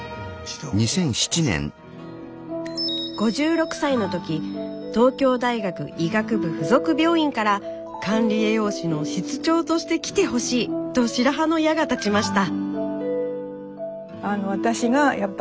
５６歳の時東京大学医学部附属病院から「管理栄養士の室長として来てほしい」と白羽の矢が立ちました。